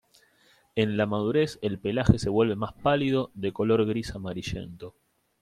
En la madurez, el pelaje se vuelve más pálido, de color gris amarillento.